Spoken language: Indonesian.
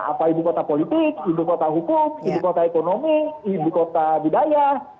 apa ibu kota politik ibu kota hukum ibu kota ekonomi ibu kota budaya